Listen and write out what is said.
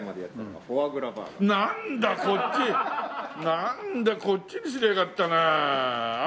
なんだこっちにすればよかったなあ。